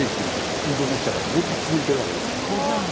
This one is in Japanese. インドネシアまでずっと続いてるわけです